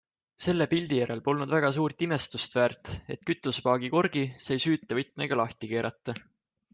Selle pildi järel polnud väga suurt imestust väärt, et kütusepaagi korgi sai süütevõtmega lahti keerata.